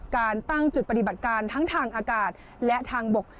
การตั้งจุดปฏิบัติการทั้งทางอากาศและทางบก